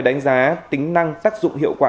đánh giá tính năng tác dụng hiệu quả